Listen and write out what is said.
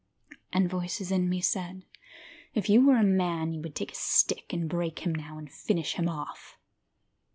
And voices in me said, If you were a man You would take a stick and break him now, and finish him off.